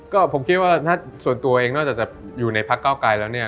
ก็ผมคิดว่าถ้าส่วนตัวเองนอกจากจะอยู่ในพักเก้าไกลแล้วเนี่ย